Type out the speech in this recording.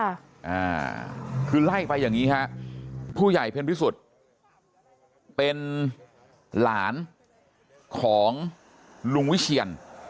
อ่าคือไล่ไปอย่างงี้ฮะผู้ใหญ่เพ็ญพิสุทธิ์เป็นหลานของลุงวิเชียน